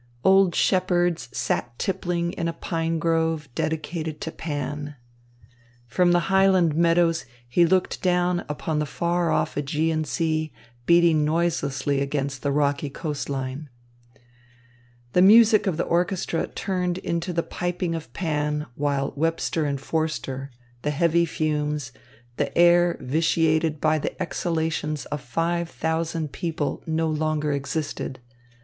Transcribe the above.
Old shepherds sat tippling in a pine grove dedicated to Pan. From the highland meadows he looked down upon the far off Ægean Sea beating noiselessly against the rocky coast line. The music of the orchestra turned into the piping of Pan, while Webster and Forster, the heavy fumes, the air vitiated by the exhalations of five thousand people no longer existed.